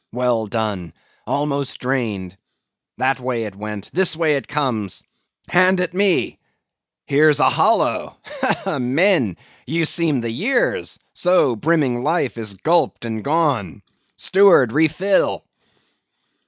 Well done; almost drained. That way it went, this way it comes. Hand it me—here's a hollow! Men, ye seem the years; so brimming life is gulped and gone. Steward, refill!